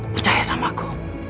percaya sama aku